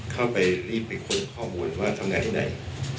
เข้าไปรีบไปค้นข้อมูลว่าทำงานที่ไหน